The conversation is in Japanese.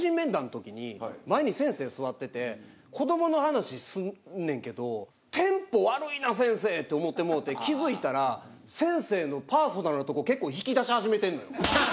前に先生座ってて子どもの話すんねんけど。って思ってもうて気付いたら先生のパーソナルなとこ結構引き出し始めてんのよ。